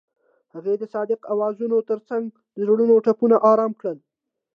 هغې د صادق اوازونو ترڅنګ د زړونو ټپونه آرام کړل.